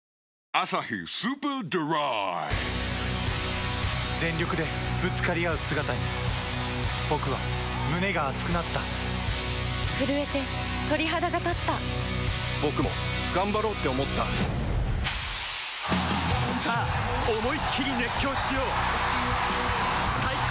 「アサヒスーパードライ」全力でぶつかり合う姿に僕は胸が熱くなった震えて鳥肌がたった僕も頑張ろうって思ったさあ思いっきり熱狂しよう最高の渇きにＤＲＹ